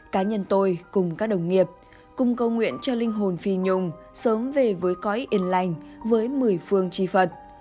cá nhân tôi cùng các đồng nghiệp cùng cầu nguyện cho linh hồn phi nhung sớm về với cõi yên lành với mười phương chi phật